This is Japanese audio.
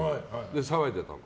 騒いでたの。